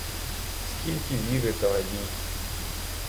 Скільки віри та надій!